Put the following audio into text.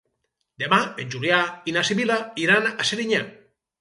Demà en Julià i na Sibil·la iran a Serinyà.